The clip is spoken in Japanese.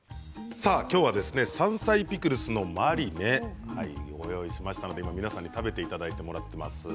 今日は山菜ピクルスのマリネご用意しましたので今皆さんに食べていただいてもらっています。